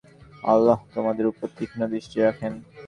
আল্লাহ তোমাদের উপর তীক্ষ্ণ দৃষ্টি রাখেন।